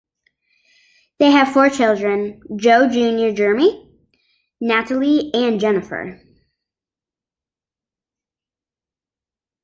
They have four children: Joe Junior Jeremy, Natalie and Jennifer.